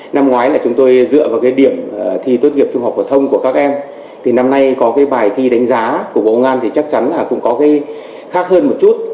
năm ngoái là chúng tôi dựa vào cái điểm thi tốt nghiệp trung học phổ thông của các em thì năm nay có cái bài thi đánh giá của bộ công an thì chắc chắn là cũng có cái khác hơn một chút